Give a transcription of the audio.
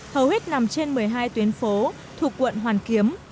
hầu hết nằm trên một mươi hai tuyến phố thuộc quận hoàn kiếm